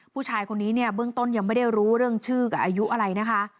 ผู้ชายคนนี้เนี่ยเบื้องต้นยังไม่ได้รู้เรื่องชื่อกับอายุอะไรนะคะ